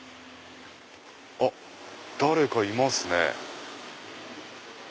あっ誰かいますね。